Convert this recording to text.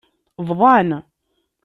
Bḍan.